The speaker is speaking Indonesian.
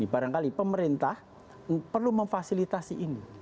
barangkali pemerintah perlu memfasilitasi ini